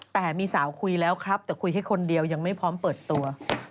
แต่มีสาวคุยแล้วครับแต่คุยแค่คนเดียวยังไม่พร้อมเปิดตัว